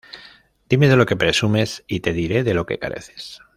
Dime de lo que presumes y te diré de lo que careces